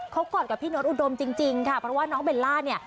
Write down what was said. เขากอดกับพี่โน๊ตอุดมจริงค่ะเพราะว่าน้องเบลล่าเนี่ย